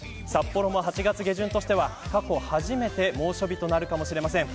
札幌も８月下旬としては過去初めて猛暑日となるかもしれません。